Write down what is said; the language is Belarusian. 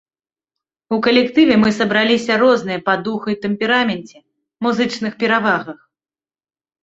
У калектыве мы сабраліся розныя па духу і тэмпераменце, музычных перавагах.